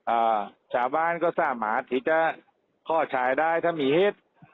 อ่าทราบานก็ทราบหมาพี่จ้ะฮ่าล์ชายได้ถ้ามีเหตุ